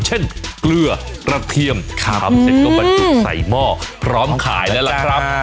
เช่นเกลือระเทียมครับทำเสร็จก็มาจุดใส่หม้อพร้อมขายแล้วล่ะครับ